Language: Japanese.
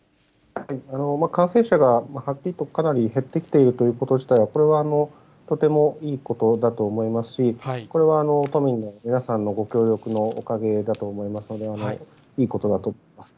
感染者がはっきりとかなり減ってきているということ自体、これはとてもいいことだと思いますし、これは都民の皆さんのご協力のおかげだと思いますので、いいことだと思います。